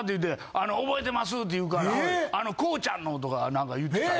「あの覚えてます？」って言うから「耕ちゃんの」とか何か言うてた。